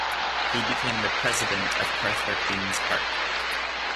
He became the President of Cartha Queens Park.